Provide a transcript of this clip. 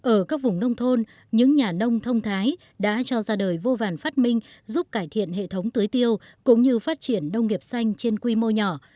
ở các vùng nông thôn những nhà nông thông thái đã cho ra đời vô vàn phát minh giúp cải thiện hệ thống tưới tiêu cũng như phát triển nông nghiệp xanh trên quy mô nhỏ